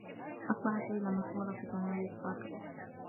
أصبحت ليلى مشهورة في ثانويّة باكر.